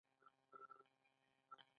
دغو معیارونو ته د اخلاقو کودونه ویل کیږي.